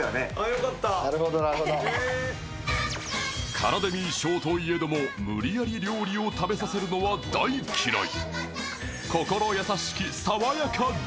カラデミー賞といえども無理やり料理を食べさせるのは大嫌い。